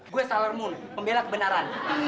gue salar moon pembela kebenaran